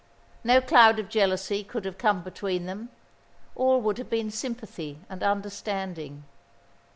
No cloud of jealousy could have come between them; all would have been sympathy and understanding.